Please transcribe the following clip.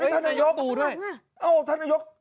เห้ยท่านนโยคท่านนโยค